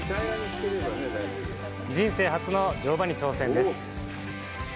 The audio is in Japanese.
人生初の乗馬に挑戦です。